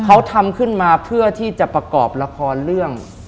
เขาทำขึ้นมาเพื่อที่จะประกอบละครเรื่อง